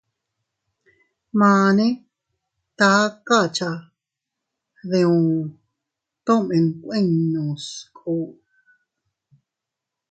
Mane taka cha diu, tomen kuinnu sku.